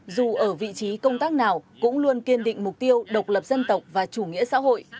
dù ở vị trí công tác nào cũng luôn kiên định mục tiêu độc lập dân tộc và chủ nghĩa xã hội